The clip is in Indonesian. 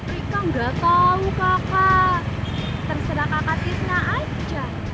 rika enggak tahu kakak terserah kakak cisna aja